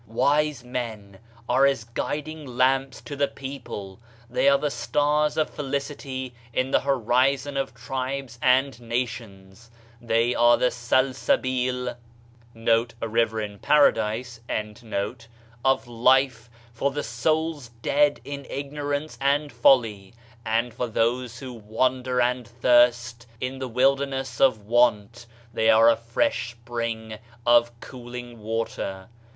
Wise men arc as guiding lamps to the people. They are the stars of felicity in the horizon of tribes and nations; they are the Salsabil' of life for the souls dead in ignorance and folly; and for those who wander and thirst in the wilderness of want they are a fresh spring of cooling water.